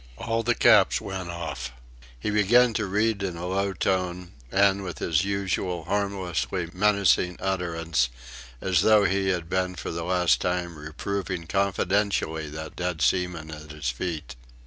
All the caps went off. He began to read in a low tone, and with his usual harmlessly menacing utterance, as though he had been for the last time reproving confidentially that dead seaman at his feet.